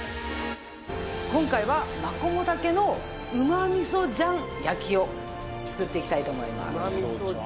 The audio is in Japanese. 今回はマコモダケのうま味噌醤焼きを作っていきたいと思います。